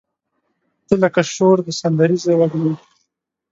تۀ لکه شور د سندریزې وږمې